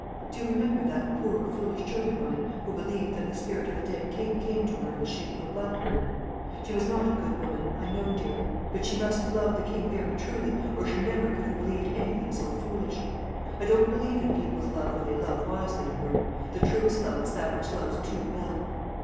"Do you remember that poor foolish German woman who believed that the spirit of a dead king came to her in the shape of a blackbird? She was not a good woman, I know, dear; but she must have loved the king very truly, or she never could have believed anything so foolish. I don't believe in people's love when they love 'wisely,' Edward: the truest love is that which loves 'too well.'